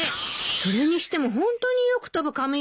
それにしてもホントによく飛ぶ紙飛行機ね。